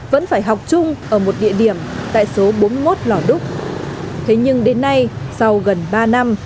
vẫn phải học chung ở một địa điểm tại số bốn mươi một lò đúc thế nhưng đến nay sau gần ba năm